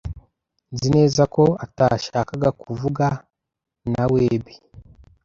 Nzi neza ko atashakaga kuvuga nawebi.